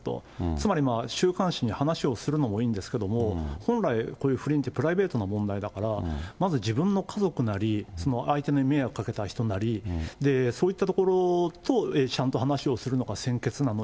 つまり、週刊誌に話をするのもいいんですけども、本来、こういう不倫って、プライベートな問題だから、まず自分の家族なり、その相手の迷惑かけた人なり、そういったところとちゃんと話をするのが先決なのに。